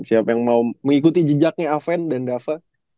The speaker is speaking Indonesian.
siapa yang mau mengikuti jejaknya aven dan dava